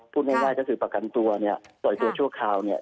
พูดง่ายก็คือประกันตัวต่อโดยตัวชั่วคราว